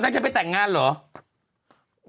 อ่ะน่าจะไปแต่งงานหรือ